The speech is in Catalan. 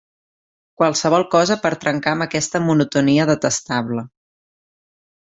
Qualsevol cosa per trencar amb aquesta monotonia detestable.